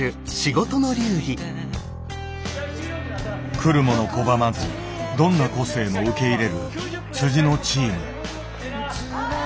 来る者拒まずどんな個性も受け入れるのチーム。